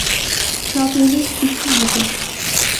সব ইউনিট পিছু হটো!